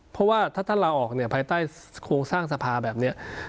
เพราะว่าถ้าท่านลาออกเนี่ยภายใต้โครงสร้างสภาแบบนี้